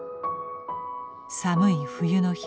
寒い冬の日